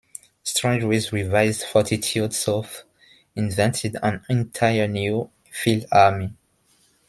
Strangeways' revised Fortitude South invented an entire new field army.